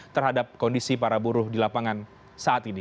terhadap kondisi para buruh di lapangan saat ini